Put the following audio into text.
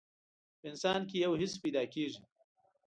په انسان کې يو حس پيدا کېږي.